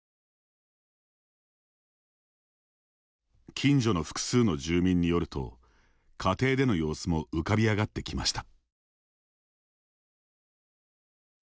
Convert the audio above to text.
近所の複数の住民によると家庭での様子も浮かび上がってきました。